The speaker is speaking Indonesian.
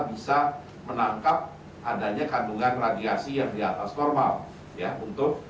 di perumahan batan indah pada tiga puluh januari lalu